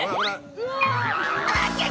「うわ！